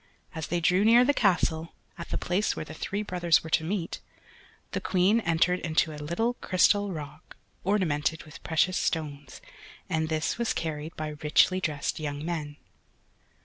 As they drew near the castle, at the place where the three brothers were to meet, the Queen entered into a little crystal rock ornamented with precious stones, and this was carried by richly dressed young men.